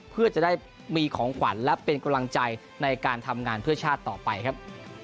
เพื่อจะได้มีของขวัญและเป็นกำลังใจในการทำงานเพื่อชาติต่อไปครับ